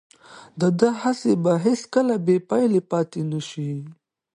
د ده هڅې به هیڅکله بې پایلې پاتې نه شي.